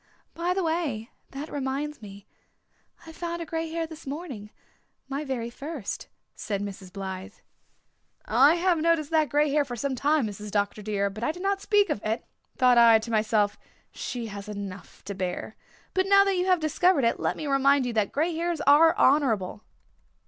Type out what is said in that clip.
"By the way, that reminds me I found a grey hair this morning my very first," said Mrs. Blythe. "I have noticed that grey hair for some time, Mrs. Dr. dear, but I did not speak of it. Thought I to myself, 'She has enough to bear.' But now that you have discovered it let me remind you that grey hairs are honourable."